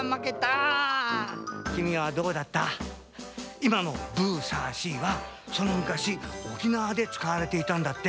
いまの「ブーサーシー」はそのむかし沖縄でつかわれていたんだって。